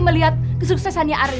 melihat kesuksesannya arief